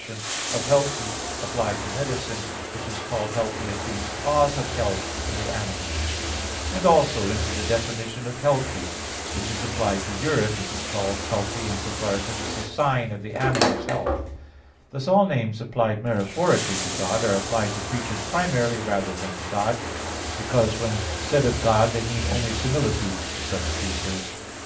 Thus, for instance, "healthy" applied to animals comes into the definition of "healthy" applied to medicine, which is called healthy as being the cause of health in the animal; and also into the definition of "healthy" which is applied to urine, which is called healthy in so far as it is the sign of the animal's health. Thus all names applied metaphorically to God, are applied to creatures primarily rather than to God, because when said of God they mean only similitudes to such creatures.